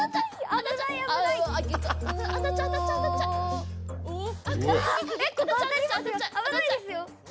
あぶないですよ！